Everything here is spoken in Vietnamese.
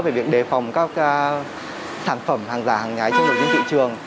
về việc đề phòng các sản phẩm hàng giả hàng nhái trong nội dung thị trường